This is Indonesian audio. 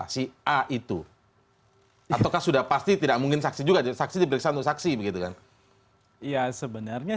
si itu atau sudah pasti tidak mungkin saksi juga saksi saksi begitu kan iya sebenarnya